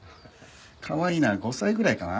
かわいいなあ５歳ぐらいかな？